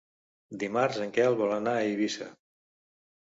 Dimarts en Quel vol anar a Eivissa.